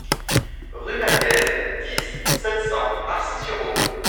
Rue Mergez, dix, sept cents Arcis-sur-Aube